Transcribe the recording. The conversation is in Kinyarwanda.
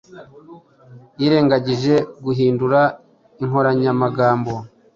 yirengagije guhindura inkoranyamagambo